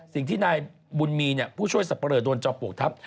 สิ่งที่นายบุญมีนี่ผู้ช่วยสับประโลยะโดนจอบโปรกครับ